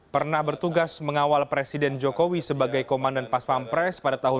pernah bertugas mengawal presiden jokowi sebagai komandan paspam pres pada tahun dua ribu empat belas